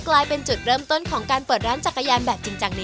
ก็ยินดีต่อกลับนะครับผม